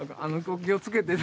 お気をつけて。